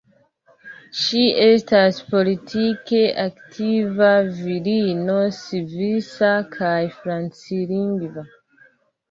Ŝi estas politike aktiva virino svisa kaj franclingva.